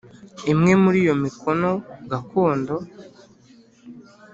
imwe muri iyo mikino gakondo